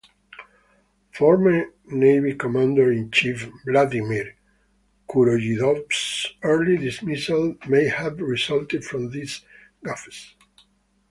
Former Navy Commander-in-Chief Vladimir Kuroyedov's early dismissal may have resulted from these gaffes.